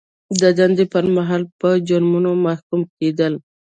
د دندې پر مهال په جرمونو محکوم کیدل.